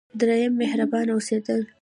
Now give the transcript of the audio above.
دریم: مهربانه اوسیدل.